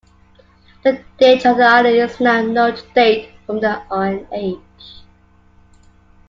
The ditch on the island is now known to date from the Iron Age.